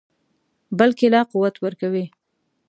بلکې لا قوت ورکوي.